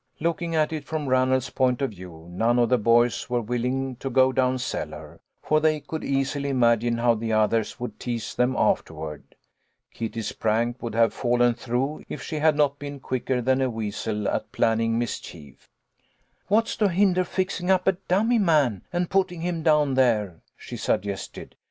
Looking at it A HALLO WE 'EJV PARTY. I$? from Ranald's point of view, none of the boys were willing to go down cellar, for they could easily imagine how the others would tease them afterward. Kitty's prank would have fallen through, if she had not been quicker than a weasel at planning mischief. "What's to hinder fixing up a dummy man, and putting him down there ?" she suggested.